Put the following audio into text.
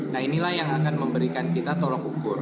nah inilah yang akan memberikan kita tolok ukur